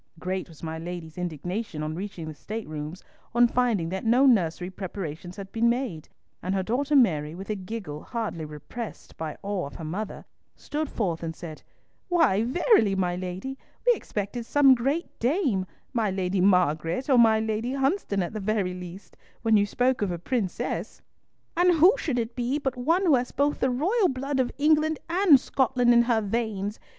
Great was my lady's indignation on reaching the state rooms on finding that no nursery preparations had been made, and her daughter Mary, with a giggle hardly repressed by awe of her mother, stood forth and said, "Why, verily, my lady, we expected some great dame, my Lady Margaret or my Lady Hunsdon at the very least, when you spoke of a princess." "And who should it be but one who has both the royal blood of England and Scotland in her veins?